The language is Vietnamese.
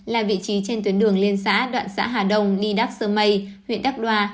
là vị trí trên tuyến đường liên xã đoạn xã hà đông đi đắc sơ mây huyện đắc đoa